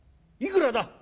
「いくらだ？」。